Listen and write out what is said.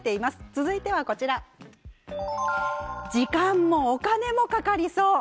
続いてはこちら時間もお金もかかりそう。